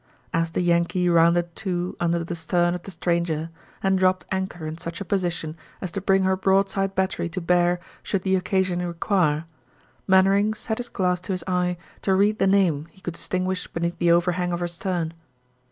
As the Yankee rounded to under the stern of the stranger and dropped anchor in such a position as to bring her broadside battery to bear should the occasion require, Mainwaring set his glass to his eye to read the name he could distinguish beneath the overhang of her stern.